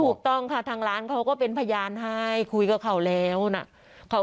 ถูกต้องค่ะทางร้านเขาก็เป็นพยานให้คุยกับเขาแล้วนะ